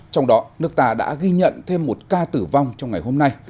trong đó nước ta đã ghi nhận thêm một ca tử vong trong ngày hôm nay